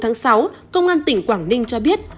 ngày sáu công an tỉnh quảng ninh cho biết